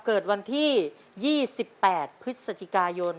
เกิดวันที่๒๘พฤศจิกายน